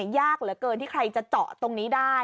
ยากเหลือเกินที่ใครจะเจาะตรงนี้ได้